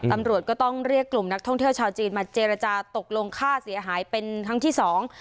ตำรวจก็ต้องเรียกกลุ่มนักท่องเที่ยวชาวจีนมาเจรจาตกลงค่าเสียหายเป็นครั้งที่สอง